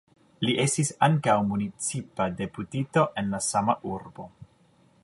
Li estis ankaŭ municipa deputito en la sama urbo.